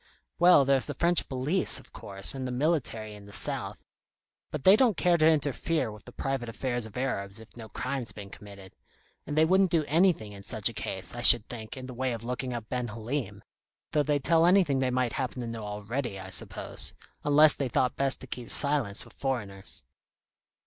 "Well, there's the French police, of course, and the military in the south. But they don't care to interfere with the private affairs of Arabs, if no crime's been committed and they wouldn't do anything in such a case, I should think, in the way of looking up Ben Halim, though they'd tell anything they might happen to know already, I suppose unless they thought best to keep silence with foreigners."